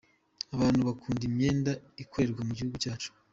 Abantu gukunda imyenda ikorerwa mu gihugu cyacu.